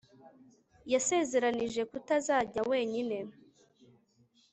yasezeranije kutazajya wenyine